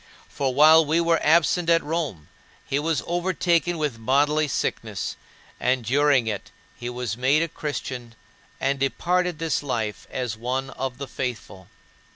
" For while we were absent at Rome, he was overtaken with bodily sickness, and during it he was made a Christian and departed this life as one of the faithful.